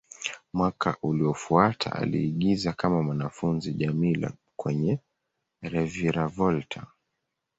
Mwaka uliofuata, aliigiza kama mwanafunzi Djamila kwenye "Reviravolta".